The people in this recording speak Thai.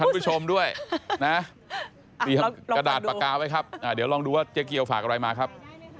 คุณผู้ชมด้วยนะเตรียมกระดาษปากกาไว้ครับเดี๋ยวลองดูว่าเจ๊เกียวฝากอะไรมาครับ